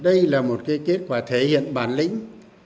đây là một kết quả thể hiện bản lĩnh